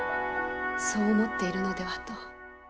そう思っているのではと。